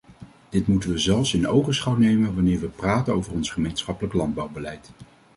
Dit moeten we zelfs in ogenschouw nemen wanneer we praten over ons gemeenschappelijk landbouwbeleid.